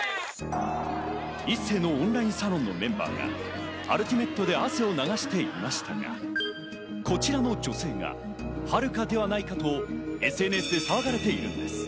一星のオンラインサロンのメンバーがアルティメットで汗を流していましたが、こちらの女性が陽香ではないかと、ＳＮＳで騒がれているのです。